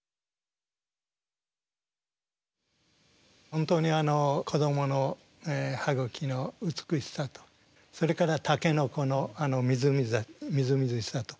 本当に子どもの歯ぐきの美しさとそれから竹の子のみずみずしさと。